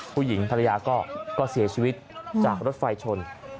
ภรรยาก็เสียชีวิตจากรถไฟชน